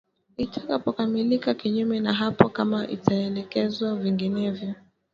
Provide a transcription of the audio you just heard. itakapokamilika kinyume na hapo kama itaelekezwa vinginevyo